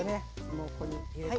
もうここに入れて。